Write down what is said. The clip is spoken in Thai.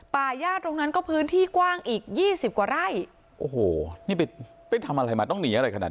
ป่าย่าตรงนั้นก็พื้นที่กว้างอีกยี่สิบกว่าไร่โอ้โหนี่ไปไปทำอะไรมาต้องหนีอะไรขนาด